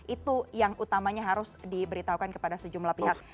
itu yang utamanya harus diberitahukan kepada sejumlah pihak